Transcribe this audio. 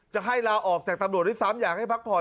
จะให้ลาออกจากตำรวจให้สามอย่างให้พักผ่อน